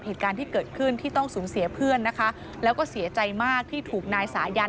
เหตุการณ์ที่เกิดขึ้นที่ต้องสูญเสียเพื่อนนะคะแล้วก็เสียใจมากที่ถูกนายสายัน